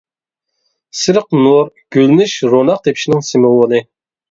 سېرىق نۇر گۈللىنىش، روناق تېپىشنىڭ سىمۋولى.